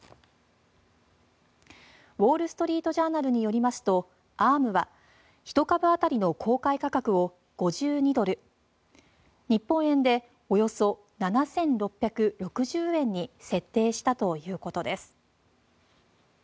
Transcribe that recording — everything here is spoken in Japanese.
ウォール・ストリート・ジャーナルによりますとアームは１株当たりの公開価格を５２ドル日本円でおよそ７６６０円に設定したということです。